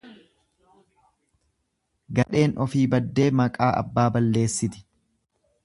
Gadheen ofii baddee maqaa abbaa balleessiti.